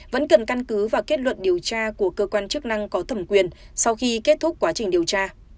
vẫn cần căn cứ vào kết luận điều tra của cơ quan chức năng có thẩm quyền sau khi kết thúc quá trình điều tra